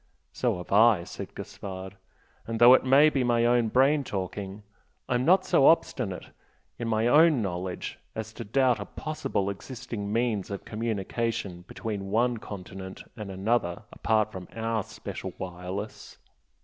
"So have I" said Gaspard "And though it may be my own brain talking, I'm not so obstinate in my own knowledge as to doubt a possible existing means of communication between one continent and another apart from OUR special 'wireless.'